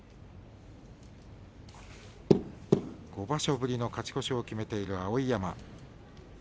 ５場所ぶりの勝ち越しを決めている碧山。